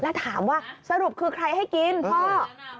แล้วถามว่าสรุปคือใครให้กินพ่อ